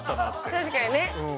確かにね。